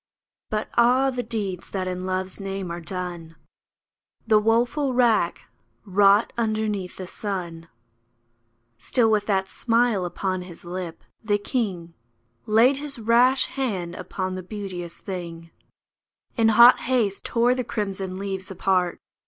But ah ! the deeds that in Love's name are done ! The woeful wrack wrought underneath the sun ! Still with that smile upon his lip, the king Laid his rash hand upon the beauteous thing ; In hot haste tore the crimson leaves apart.